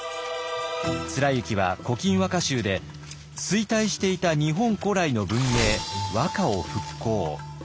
貫之は「古今和歌集」で衰退していた日本古来の文明和歌を復興。